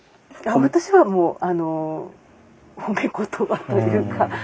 私はもう褒め言葉というか。